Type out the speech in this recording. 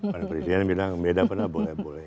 pada presiden bilang beda pendapat boleh boleh